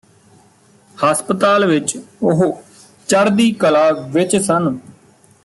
ਹਸਪਤਾਲ ਵਿਚ ਉਹ ਚੜ੍ਹਦੀ ਕਲਾ ਵਿਚ ਸਨ